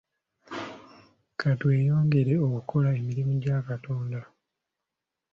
Ka tweyongere okukola emirimu gya Katonda.